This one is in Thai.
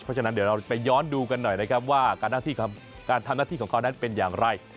เพราะฉะนั้นเดี๋ยวเราไปย้อนดูกันหน่อยนะครับว่าการทำหน้าที่ของเขานั้นเป็นอย่างไร